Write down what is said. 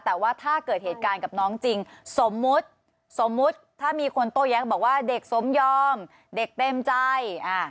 แต่ว่าถ้าเกิดเหตุการณ์กับน้องจริงสมมุติสมมุติถ้ามีคนโต้แย้งบอกว่าเด็กสมยอมเด็กเต็มใจ